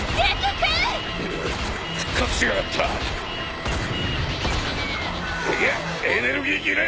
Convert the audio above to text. くっエネルギー切れ！